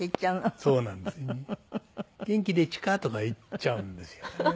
「元気でちゅか？」とか言っちゃうんですよね。